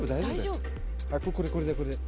はいこれでこれで。